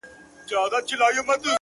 بابولاله;